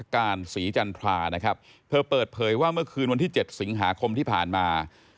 การศรีจันทรานะครับเธอเปิดเผยว่าเมื่อคืนวันที่๗สิงหาคมที่ผ่านมา